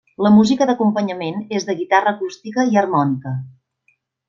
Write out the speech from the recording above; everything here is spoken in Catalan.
La música d'acompanyament és de guitarra acústica i harmònica.